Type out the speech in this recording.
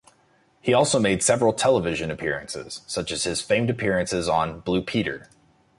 He also made several television appearances, such as his famed appearances on "Blue Peter".